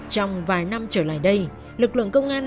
trong vài năm trở lại đây lực lượng công an